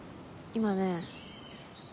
今ね。